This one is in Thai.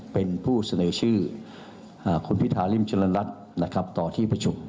เป็นผู้เสนอชื่อคุณพิธาริมเจริญรัฐนะครับต่อที่ประชุม